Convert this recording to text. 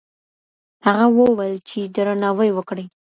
هغه وويل چي درناوی وکړئ.